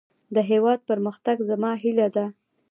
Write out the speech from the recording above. د هيواد پرمختګ زما هيله ده.